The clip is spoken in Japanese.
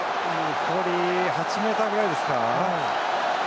残り８ｍくらいですか。